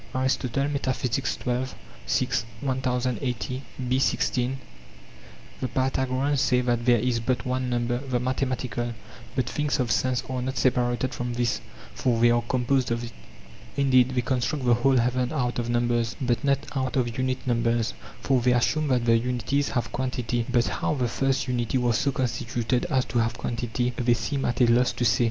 .. xii.6; 1080b16. The Pythagoreans say that there is but one number, the mathematical, but things of sense are not separated from this, for they are com posed of it; indeed, they construct the whole heaven out of numbers, but not out of unit numbers, for they assume that the unities have quantity; but how the first unity was so constituted as to have quantity, they seem at a loss to say.